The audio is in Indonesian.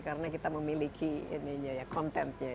karena kita memiliki kontennya